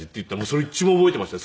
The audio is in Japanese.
それ一番覚えていました。